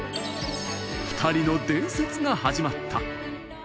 ２人の伝説が始まった。